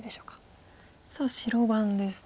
さあ白番ですね。